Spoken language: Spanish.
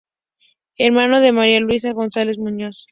Hermano de María Luisa González Muñoz.